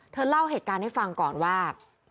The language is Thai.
เล่าเหตุการณ์ให้ฟังก่อนว่า